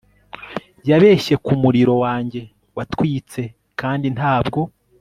yabeshye ku muriro wanjye watwitse, kandi ntabwo